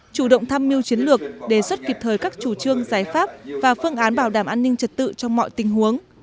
chủ động tham mưu chiến lược đề xuất kịp thời các chủ trương giải pháp và phương án bảo đảm an ninh trật tự trong mọi tình huống